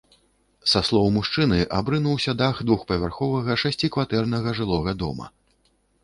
Са слоў мужчыны, абрынуўся дах двухпавярховага шасцікватэрнага жылога дома.